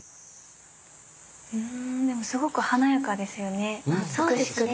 でもすごく華やかですよね美しくて。